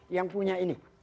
yang punya ini